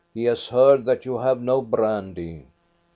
He has heard that you have no brandy."